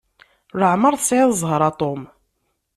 Leɛmeṛ tesɛiḍ zzheṛ a Tom.